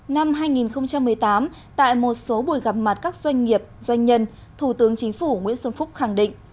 năm hai nghìn một mươi tám tại một số buổi gặp mặt các doanh nghiệp doanh nhân thủ tướng chính phủ nguyễn xuân phúc khẳng định